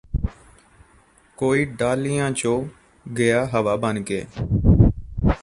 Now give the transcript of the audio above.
ਕੋਈ ਡਾਲੀਆਂ ਚੋਂ ¦ਘਿਆ ਹਵਾ ਬਣ ਕੇ